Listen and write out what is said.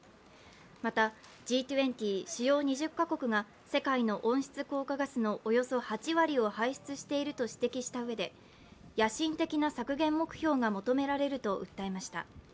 また、Ｇ２０＝主要２０か国が世界の温室効果ガスのおよそ８割を排出していると指摘したうえで野心的な削減目標が求められると訴えました。